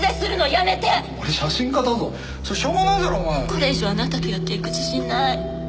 これ以上あなたとやっていく自信ない。